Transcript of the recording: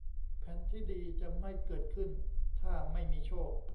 แผนที่ดีจะไม่เกิดขึ้นถ้าไม่มีโชค